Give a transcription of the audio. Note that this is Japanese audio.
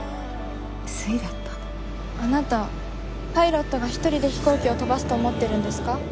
あなたパイロットが一人で飛行機を飛ばすと思ってるんですか？